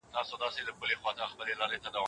سياسي ګوندونه به په ټاکنو کي برخه واخلي.